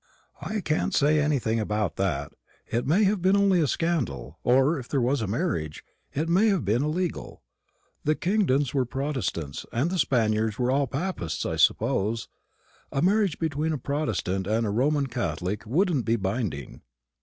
"I can't say anything about that. It may have been only a scandal, or, if there was a marriage, it may have been illegal. The Kingdons were Protestants, and the Spaniards are all papists, I suppose. A marriage between a Protestant and a Roman Catholic wouldn't be binding."